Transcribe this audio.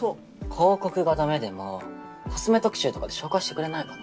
広告がダメでもコスメ特集とかで紹介してくれないかな。